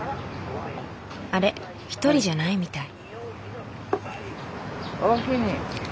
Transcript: あれ１人じゃないみたい。